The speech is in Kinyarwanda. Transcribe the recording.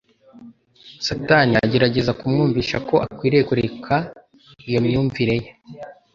Satani agerageza kumwumvisha ko akwiriye kureka iyo myumvire ye.